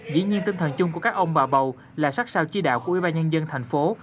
dĩ nhiên tinh thần chung của các ông bà bầu là sát sao chi đạo của ubnd thành phố